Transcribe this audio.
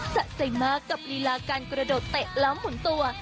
สะใจมากกับลีลาการกระโดดเตะล้ำหมุนตัว